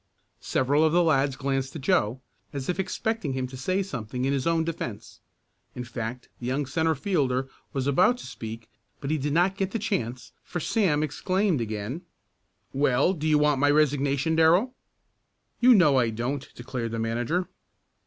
Several of the lads glanced at Joe, as if expecting him to say something in his own defense. In fact the young centre fielder was about to speak but he did not get the chance, for Sam exclaimed again: "Well, do you want my resignation, Darrell?" "You know I don't!" declared the manager.